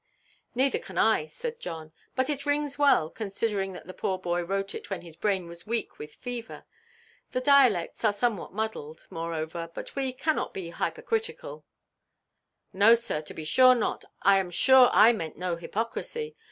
"Neither can I," said John; "but it rings well, considering that the poor boy wrote it when his brain was weak with fever. The dialects are somewhat muddled, moreover; but we must not be hypercritical." "No, sir, to be sure not. I am sure I meant no hypocrisy.